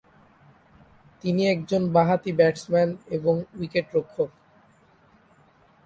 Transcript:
তিনি একজন বাঁহাতি ব্যাটসম্যান এবং উইকেটরক্ষক।